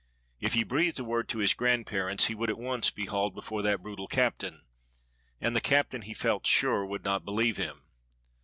If he breathed a word to his grandparents he would at once be hauled before that brutal captain; and the captain he felt sure would not believe him.